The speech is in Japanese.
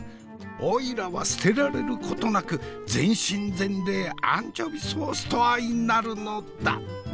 「オイラは捨てられることなく全身全霊アンチョビソースと相なるのだ！」。